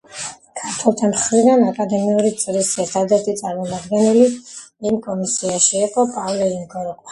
ქართველთა მხრიდან აკადემიური წრის ერთადერთი წარმომადგენელი ამ კომისიაში იყო პავლე ინგოროყვა.